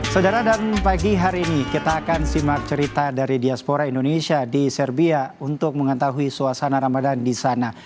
saudara dan pagi hari ini kita akan simak cerita dari diaspora indonesia di serbia untuk mengetahui suasana ramadan di sana